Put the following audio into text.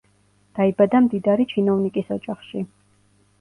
დაიბადა მდიდარი ჩინოვნიკის ოჯახში.